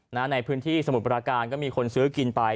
ในพื้นที่สมุทรปราการก็มีคนซื้อกินไป